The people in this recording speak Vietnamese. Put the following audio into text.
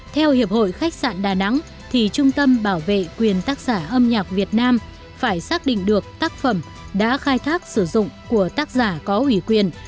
theo hiệp hội khách sạn đà nẵng thì trung tâm bảo vệ quyền tác giả âm nhạc việt nam phải xác định được tác phẩm đã khai thác sử dụng của tác giả có ủy quyền